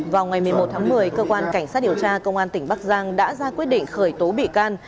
vào ngày một mươi một tháng một mươi cơ quan cảnh sát điều tra công an tỉnh bắc giang đã ra quyết định khởi tố bị can